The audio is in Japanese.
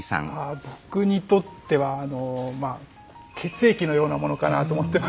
僕にとってはあの血液のようなものかなと思ってまして。